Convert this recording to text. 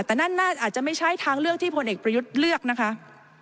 แต่นั่นน่าจะไม่ใช่ทางเลือกที่พลเอกประยุทธ์เลือกนะคะ